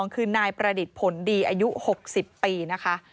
คือนายประดิษฐ์ผลดีอายุ๖๐ปีนะคะ